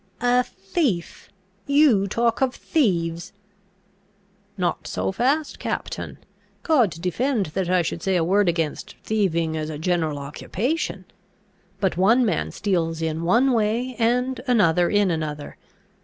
"A thief! You talk of thieves!" "Not so fast, captain. God defend that I should say a word against thieving as a general occupation! But one man steals in one way, and another in another.